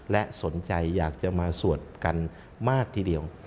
และสนใจอยากจะมาสวดกันมากทีเดียว